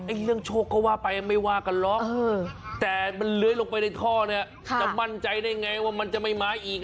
เรื่องโชคก็ว่าไปไม่ว่ากันหรอกแต่มันเลื้อยลงไปในท่อเนี่ยจะมั่นใจได้ไงว่ามันจะไม่มาอีก